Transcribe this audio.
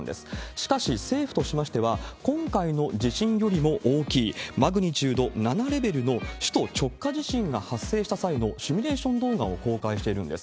しかし、政府としましては、今回の地震よりも大きいマグニチュード７レベルの首都直下地震が発生した際のシミュレーション動画を公開しているんです。